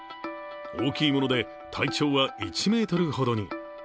大きいもので、体長は１ｍほどに。